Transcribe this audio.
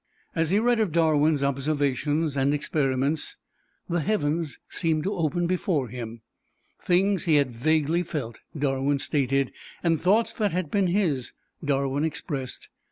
As he read of Darwin's observations and experiments the heavens seemed to open before him. Things he had vaguely felt, Darwin stated, and thoughts that had been his, Darwin expressed.